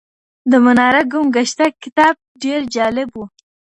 د مناره ګم ګشته کتاب ډېر جالب و.